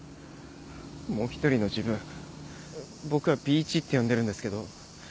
もう一人の自分僕はＢ一って呼んでるんですけど。